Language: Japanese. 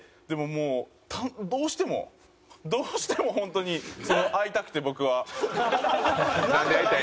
でももうどうしてもどうしても本当に会いたくて僕は。